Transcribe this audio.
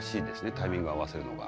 タイミング合わせるのが。